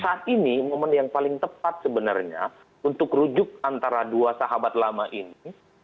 karena saat ini momen yang paling tepat sebenarnya untuk rujuk antara dua sahabat lama ini